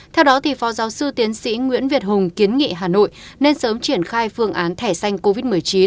theo đó phó giáo sư tiến sĩ nguyễn việt hùng kiến nghị hà nội nên sớm triển khai phương án thẻ xanh covid một mươi chín